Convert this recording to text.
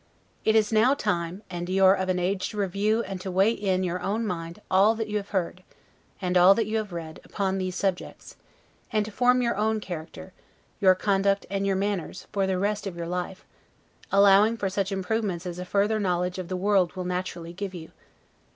It is now time, and you are of an age to review and to weigh in your own mind all that you have heard, and all that you have read, upon these subjects; and to form your own character, your conduct, and your manners, for the rest of your life; allowing for such improvements as a further knowledge of the world will naturally give you.